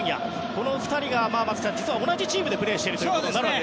この２人が実は同じチームでプレーしています。